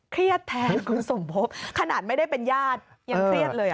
แทนคุณสมภพขนาดไม่ได้เป็นญาติยังเครียดเลย